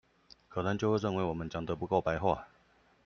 可能就會認為我們講得不夠白話